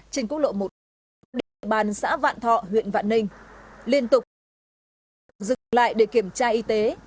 trên quốc lộ một a địa bàn xã vạn thọ huyện vạn ninh liên tục dừng lại để kiểm tra y tế